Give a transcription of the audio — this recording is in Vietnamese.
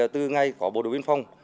từ ngày có bộ đội viên phòng